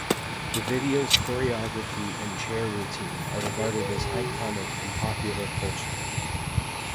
The video's choreography and chair routine are regarded as iconic in popular culture.